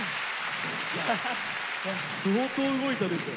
相当動いたでしょ。